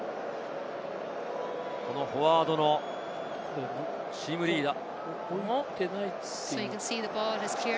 フォワードのチームリーダー。